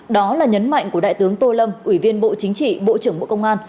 đó là nhấn mạnh của đại tướng tô lâm ủy viên bộ chính trị bộ trưởng bộ công an